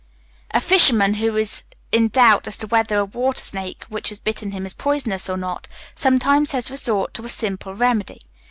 A fisherman, who is in doubt as to whether a water snake which has bitten him is poisonous or not, sometimes has resort to a simple remedy.